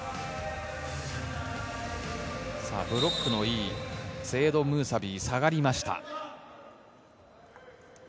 ブロックのいいセイエド・ムーサビ、下がりました。